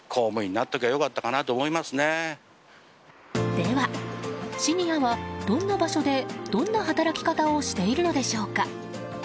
では、シニアはどんな場所でどんな働き方をしているのでしょうか？